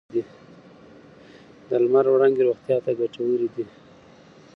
د لمر وړانګې روغتیا ته ګټورې دي.